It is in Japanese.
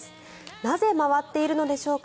なぜ回っているのでしょうか。